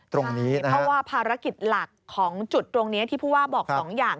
เพราะว่าภารกิจหลักของจุดตรงนี้ที่ผู้ว่าบอกสองอย่าง